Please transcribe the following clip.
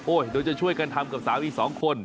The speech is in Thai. โดยจะช่วยกันทำกับสาวอีก๒คน